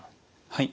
はい。